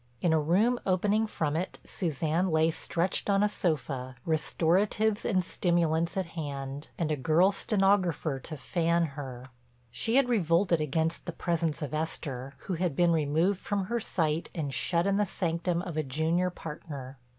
In a room opening from it Suzanne lay stretched on a sofa, restoratives and stimulants at hand, and a girl stenographer to fan her. She had revolted against the presence of Esther, who had been removed from her sight and shut in the sanctum of a junior partner.